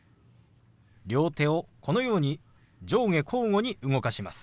両手をこのように上下交互に動かします。